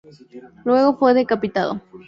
Luego fue decapitado.